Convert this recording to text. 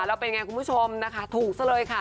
แล้วเป็นไงคุณผู้ชมนะคะถูกซะเลยค่ะ